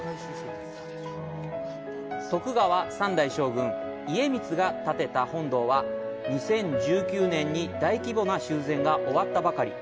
徳川三代将軍、家光が建てた本堂は、２０１９年に大規模な修繕が終わったばかり。